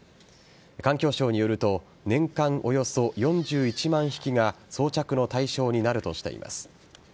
環境省によると年間およそ４１万匹が装着の対象になるとしています。